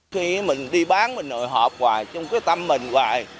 khi mình đi bán mình nội hộp hoài chung cái tâm mình hoài